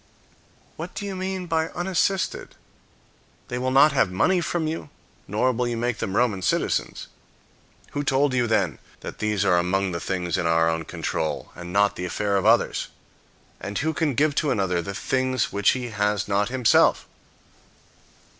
What do you mean by unassisted? They will not have money from you, nor will you make them Roman citizens. Who told you, then, that these are among the things in our own control, and not the affair of others? And who can give to another the things which he has not himself?